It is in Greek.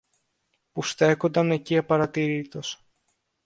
που στέκουνταν εκεί απαρατήρητος.